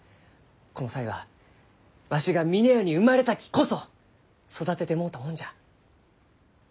この才はわしが峰屋に生まれたきこそ育ててもろうたもんじゃ。